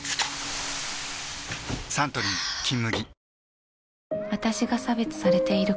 サントリー「金麦」